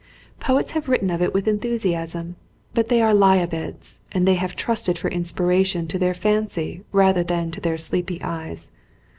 Poets have written of it with enthusiasm, but they are lie a beds, and they have trusted for inspiration to their fancy rather than to their sleepy eyes.